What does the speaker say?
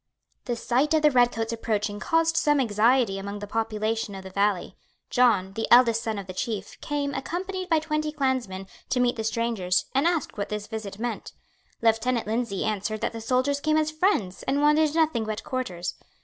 The sight of the red coats approaching caused some anxiety among the population of the valley. John, the eldest son of the Chief, came, accompanied by twenty clansmen, to meet the strangers, and asked what this visit meant. Lieutenant Lindsay answered that the soldiers came as friends, and wanted nothing but quarters.